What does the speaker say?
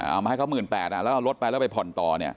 เอามาให้เขา๑๘๐๐บาทแล้วเอารถไปแล้วไปผ่อนต่อ